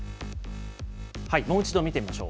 もう一度見てみましょう。